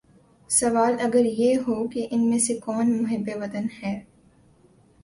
سوال اگر یہ ہو کہ ان میں سے کون محب وطن ہے